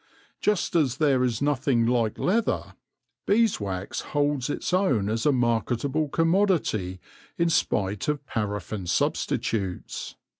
Just as there is nothing like leather, beeswax holds its own as a marketable commodity in spite of paraffin substitutes.